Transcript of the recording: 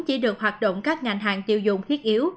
chỉ được hoạt động các ngành hàng tiêu dùng thiết yếu